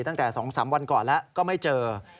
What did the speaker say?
ตั้งแต่๒๓วันก่อนแล้วก็ไม่เจอ